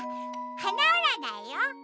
はなうらないよ。